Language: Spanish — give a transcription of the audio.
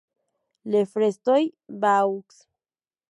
Le Frestoy-Vaux